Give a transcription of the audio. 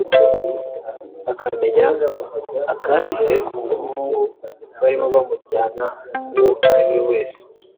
akamenya akahise k’umuhungu barimo bamenyana uwo ari we wese